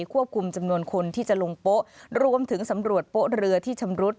ควบคุมจำนวนคนที่จะลงโป๊ะรวมถึงสำรวจโป๊ะเรือที่ชำรุด